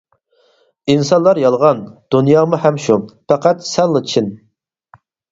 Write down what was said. ئىنسانلار يالغان، دۇنيامۇ ھەم شۇ، پەقەت سەنلا چىن.